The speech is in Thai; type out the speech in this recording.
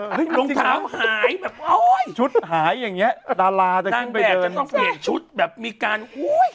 โอ้โหน้องถามหายแบบชุดหายอย่างเงี้ยดาราจะขึ้นไปเดินตั้งแต่จะต้องเปลี่ยนชุดแบบมีการอุ้ย